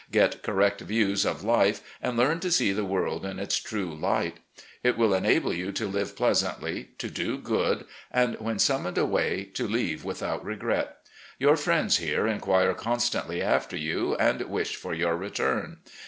Get correct views of life, and learn to see the world in its true light. It will enable you to live pleasantly, to do good, and, when summoned away, to leave without regret. Your friends here mqutre constantly after you, and wish for your return.